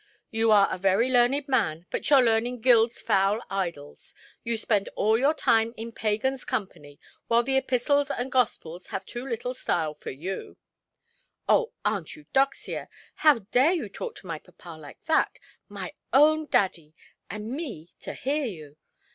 You are a very learned man, but your learning gilds foul idols. You spend all your time in pagans' company, while the epistles and gospels have too little style for you". "Oh, Aunt Eudoxia, how dare you talk to my papa like that, my own daddy, and me to hear you?